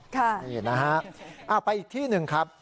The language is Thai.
ค่ะนี่นะฮะไปอีกที่หนึ่งครับ